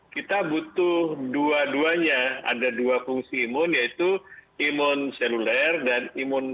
kita butuh dua duanya ada dua fungsi imun yaitu imun seluler dan imun